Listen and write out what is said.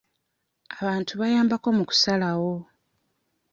Abantu bayambako mu kusalawo.